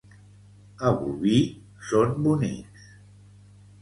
A Bolvir són bonics.